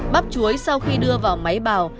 bắp chuối sau khi đưa vào máy bào